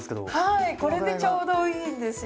はいこれでちょうどいいんですよ。